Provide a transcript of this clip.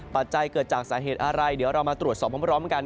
ปัจจัยเกิดจากสาเหตุอะไรเดี๋ยวเรามาตรวจสอบพร้อมกัน